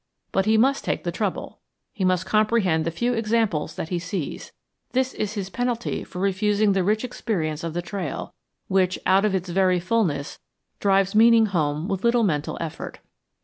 But he must take the trouble; he must comprehend the few examples that he sees; this is his penalty for refusing the rich experience of the trail, which, out of its very fulness, drives meaning home with little mental effort.